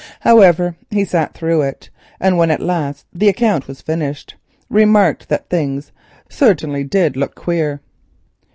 However he sat it through, and when at last the account was finished, remarked that things "sartainly did look queer."